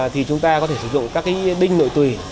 thì chúng ta có thể sử dụng các cái đinh nội tùy